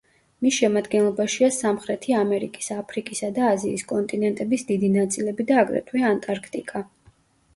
მის შემადგენლობაშია სამხრეთი ამერიკის, აფრიკისა და აზიის კონტინენტების დიდი ნაწილები და აგრეთვე ანტარქტიკა.